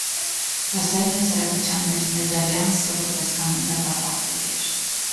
Դասային հասարակության մեջ մեզալյանսը, որպես կանոն, դատապարտելի էր։